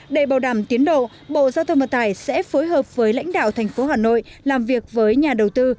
để bảo đảm tiến độ bộ giao thông vận tải sẽ phối hợp với lãnh đạo thành phố hà nội làm việc với nhà đầu tư